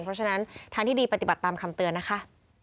เพราะฉะนั้นทางที่ดีปฏิบัติตามคำเตือนนะคะ